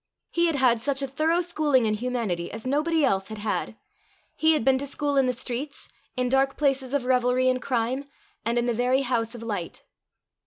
He had had such a thorough schooling in humanity as nobody else had had! He had been to school in the streets, in dark places of revelry and crime, and in the very house of light!